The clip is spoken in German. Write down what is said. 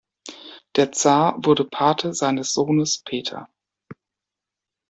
Der Zar wurde Pate seines Sohnes Peter.